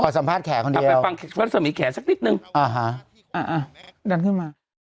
อ๋อสัมภาษณ์แขกคนเดียวอ่าฮะดันขึ้นมา